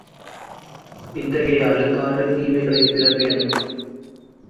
இத்தகைய அழுக்காறு தீமைகளின் பிறப்பிடம்.